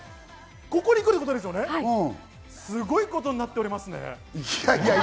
ここに来るんですね、すごいことになっておりますね。